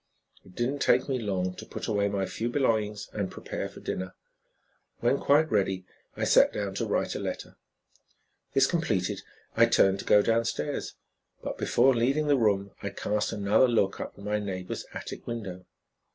It did not take me long to put away my few belongings and prepare for dinner. When quite ready, I sat down to write a letter. This completed, I turned to go downstairs. But before leaving the room I cast another look up at my neighbor's attic window.